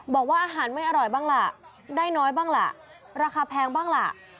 บอกว่าอาหารไม่อร่อยบ้างล่ะได้น้อยบ้างล่ะราคาแพงบ้างล่ะ